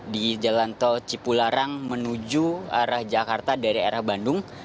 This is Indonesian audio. di jalan tol cipularang menuju arah jakarta dari arah bandung